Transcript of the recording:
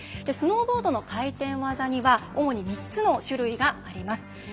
スノーボードの回転技には主に３つの種類があります。